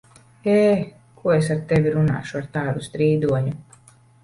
Ē! Ko es ar tevi runāšu, ar tādu strīdoņu?